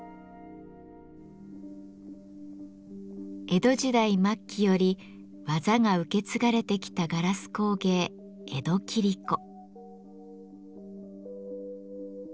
江戸時代末期より技が受け継がれてきたガラス工芸「江戸切子」。